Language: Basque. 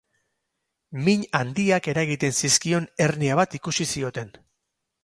Min handiak eragiten zizkion hernia bat ikusi zioten.